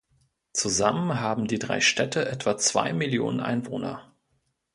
Zusammen haben die drei Städte etwa zwei Millionen Einwohner.